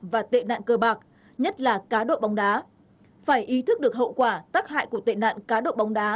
và tệ nạn cơ bạc nhất là cá độ bóng đá phải ý thức được hậu quả tác hại của tệ nạn cá độ bóng đá